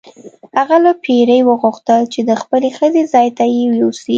هغه له پیري وغوښتل چې د خپلې ښځې ځای ته یې یوسي.